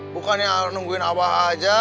bukannya nungguin abah aja